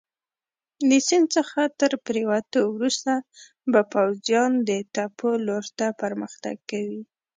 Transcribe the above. د سیند څخه تر پورېوتو وروسته به پوځیان د تپو لور ته پرمختګ کوي.